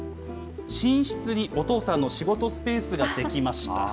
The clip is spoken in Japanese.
寝室にお父さんの仕事スペースが出来ました。